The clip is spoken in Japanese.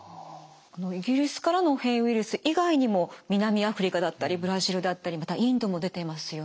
イギリスからの変異ウイルス以外にも南アフリカだったりブラジルだったりまたインドも出てますよね。